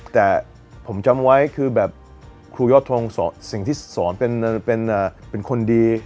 แต่ผมจำไว้คือแบบครูยอดทงสอนสิ่งที่สอนเป็นคนดี